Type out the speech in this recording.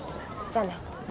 じゃあね。